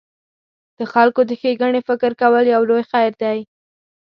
د خلکو د ښېګڼې فکر کول یو لوی خیر دی.